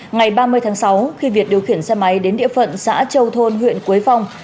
ngày ba mươi tháng sáu khi việt điều khiển xe máy đến địa phận xã châu thôn huyện quế phong